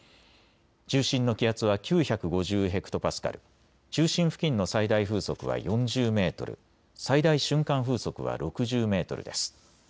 中心の気圧は９５０ヘクトパスカル、中心付近の最大風速は４０メートル、最大瞬間風速は６０メートルです。